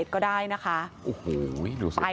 เจ้าแม่น้ำเจ้าแม่น้ำ